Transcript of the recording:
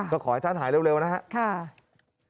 ก็ขอให้ท่านหายเร็วนะครับ